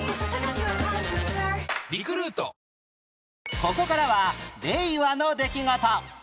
ここからは令和の出来事